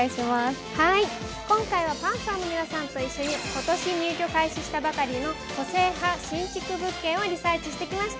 今回はパンサーの皆さんと一緒に、今年入居開始したばかりの個性派新築物件をリサーチしてきました。